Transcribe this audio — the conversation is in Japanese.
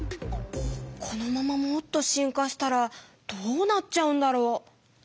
このままもっと進化したらどうなっちゃうんだろう？